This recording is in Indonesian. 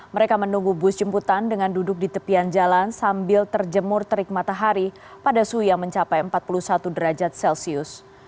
mereka menunggu bus jemputan dengan duduk di tepian jalan sambil terjemur terik matahari pada suhu yang mencapai empat puluh satu derajat celcius